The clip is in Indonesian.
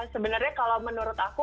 sebenarnya kalau menurut aku